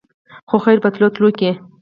خو خېر په تلو تلو کښې